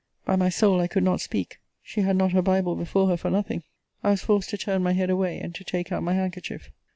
By my soul, I could not speak. She had not her Bible before her for nothing. I was forced to turn my head away, and to take out my handkerchief.